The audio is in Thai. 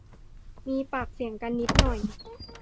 มีปากเสียงกันนิดหน่อย